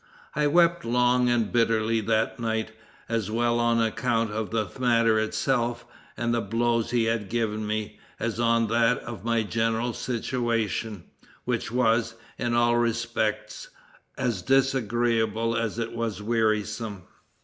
I wept long and bitterly that night, as well on account of the matter itself and the blows he had given me, as on that of my general situation, which was, in all respects, as disagreeable as it was wearisome."